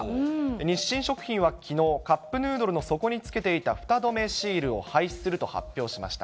日清食品はきのう、カップヌードルの底につけていたふた止めシールを廃止すると発表しました。